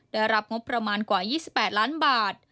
ได้รับงบประมาณกว่า๒๘ล้านบาท